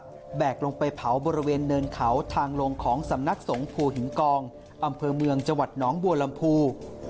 ใส่โรงพร้อมศีรษะแบกลงไปเผาบริเวณเนินเขาทางโรงของสำนักสงภูหิงกองอำเภอเมืองจังหวัดน้องบัวลำภู